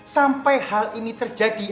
sampai hal ini terjadi